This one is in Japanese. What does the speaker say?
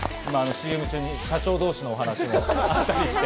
ＣＭ中に社長同士の話があったりして。